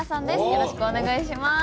よろしくお願いします。